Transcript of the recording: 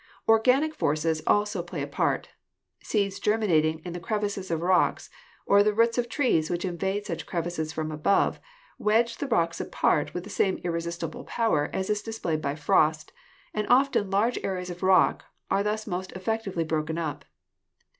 Organic forces also play a part. Seeds germinating in the crevices of rocks, or the roots of trees which invade such crevices from above, wedge the rocks apart with the same irresistible power as is displayed by frost, and often large areas of rock are thus most effectively broken up.